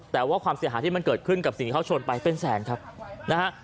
แต่ว่าความเสียหายที่มันเกิดขึ้นกับสิ่งที่เขาชนไปเป็นแสนครับนะฮะ